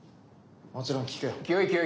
もちろん聞くよ。